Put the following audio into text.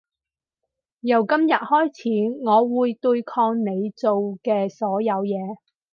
由今日開始我會對抗你做嘅所有嘢